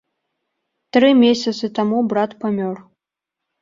Тры месяцы таму брат памёр.